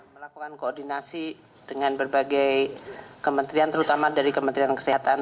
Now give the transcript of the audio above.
melakukan koordinasi dengan berbagai kementerian terutama dari kementerian kesehatan